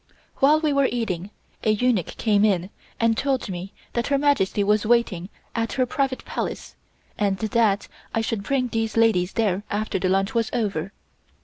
While we were eating, a eunuch came in and told me that Her Majesty was waiting at her private Palace, and that I should bring these ladies there after the lunch was over.